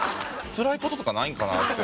つらい事とかないんかなって。